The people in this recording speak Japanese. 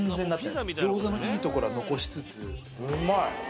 餃子のいいところは残しつつうまい。